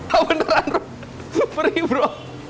ah beneran bro perih bro